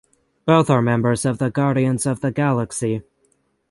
Both are members of the Guardians of the Galaxy.